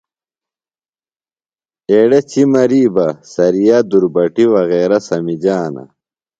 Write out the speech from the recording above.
ایڑے چِمری بہ سریہ دُربٹی وغیرہ سمِجِانہ۔